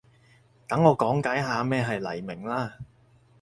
等我講解下咩係黎明啦